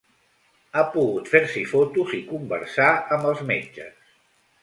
Ha pogut fer-s’hi fotos i conversar amb els metges.